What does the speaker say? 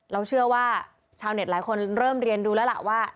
เราเชื่อว่าชาวเน็ตหลายคนเริ่มเรียนดูแล้วล่ะว่า